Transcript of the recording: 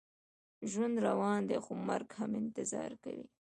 ژوند روان دی، خو مرګ هم انتظار کوي.